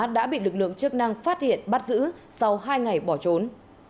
đã bị lực lượng chức năng phát hiện bắt giữ sau hai ngày bỏ trốn